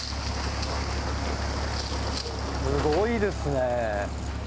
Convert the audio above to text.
すごいですね。